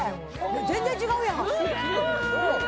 全然違うやん違う！